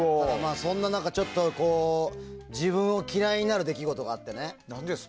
そんな中、自分を嫌いになる出来事があってね。